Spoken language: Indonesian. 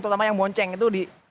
terutama yang bonceng itu di